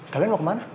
kalian mau kemana